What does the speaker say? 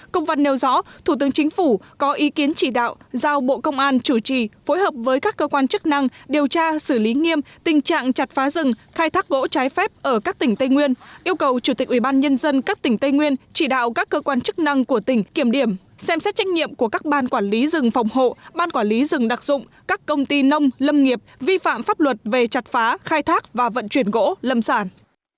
công văn nêu rõ thủ tướng chính phủ có ý kiến chỉ đạo giao bộ công an chủ trì phối hợp với các cơ quan chức năng điều tra xử lý nghiêm tình trạng chặt phá rừng khai thác gỗ trái phép ở các tỉnh tây nguyên yêu cầu chủ tịch ubnd các tỉnh tây nguyên chỉ đạo các cơ quan chức năng của tỉnh kiểm điểm xem xét trách nhiệm của các ban quản lý rừng phòng hộ ban quản lý rừng đặc dụng các công ty nông lâm nghiệp vi phạm pháp luật về chặt phá khai thác và vận chuyển gỗ lâm sản